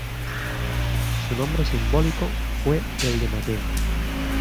Su nombre simbólico fue el de Mateo.